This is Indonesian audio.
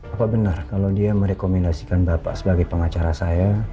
apa benar kalau dia merekomendasikan bapak sebagai pengacara saya